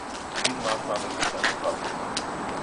Diese Maßnahme ist nicht angepasst.